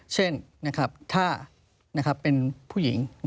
เช่นถ้าเป็นผู้หญิง